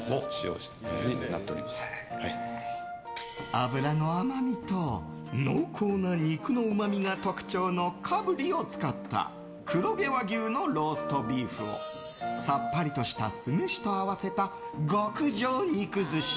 脂の甘みと濃厚な肉のうまみが特徴のかぶりを使った黒毛和牛のローストビーフをさっぱりとした酢飯と合わせた極上肉寿司。